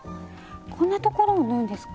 こんなところを縫うんですか？